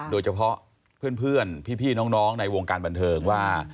โดยเฉพาะเพื่อนพี่น้องในวงการบันเทิงว่า